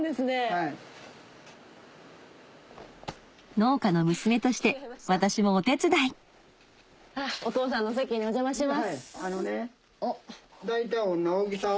農家の娘として私もお手伝いハァお父さんの席にお邪魔します。